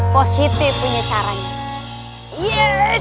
positif punya sarannya